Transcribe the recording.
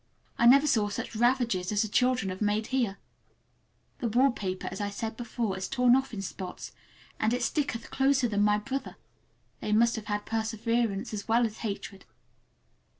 I never saw such ravages as the children have made here. The wallpaper, as I said before, is torn off in spots, and it sticketh closer than a brother—they must have had perseverance as well as hatred.